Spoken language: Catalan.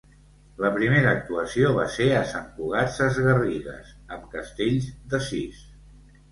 La primera actuació va ser a Sant Cugat Sesgarrigues, amb castells de sis.